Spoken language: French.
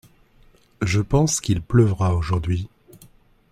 Je pense qu’il pleuvra aujourd’hui.